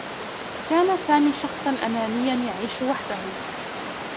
كان سامي شخصا أنانيّا يعيش وحده.